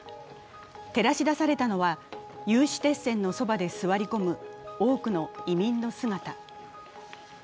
照らし出されたのは、有刺鉄線のそばで座り込む多くの移民の姿。